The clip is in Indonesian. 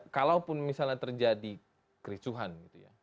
kalaupun misalnya terjadi kericuhan gitu ya